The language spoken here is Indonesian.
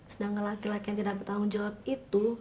sedangkan laki laki yang tidak bertanggung jawab itu